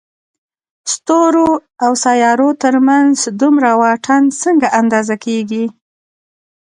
ستورو او سيارو تر منځ دومره واټن څنګه اندازه کېږي؟